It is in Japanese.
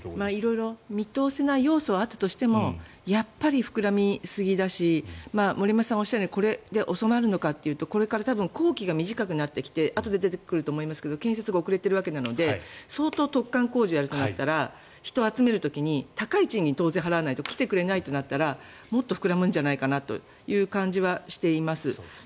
色々見通せない要素はあったとしてもやっぱり膨らみすぎだし森山さんがおっしゃるようにこれで収まるのかというとこれから多分工期が短くなってきてあとで出てくると思いますが建設が遅れているわけなので相当、突貫工事をやると思ったら人を集める時高い賃金を払わないと来てくれないとなったらもっと膨らむんじゃないかなという感じがしています。